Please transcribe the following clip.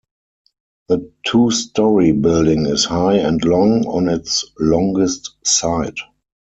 The two-story building is high and long on its longest side.